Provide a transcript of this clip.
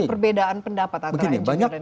perbedaan pendapat antara engineer dan kapten